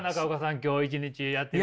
今日一日やってみてね。